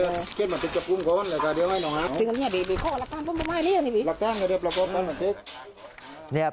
ลักการก็เดียวลักการหมดทิศ